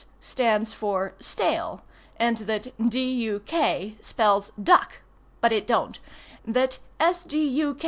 stands for stale, and that D. U. K. spells duck, (but it don't,) that S. D. U.